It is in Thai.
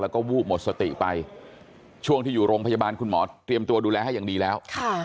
แล้วก็วูบหมดสติไปช่วงที่อยู่โรงพยาบาลคุณหมอเตรียมตัวดูแลให้อย่างดีแล้ว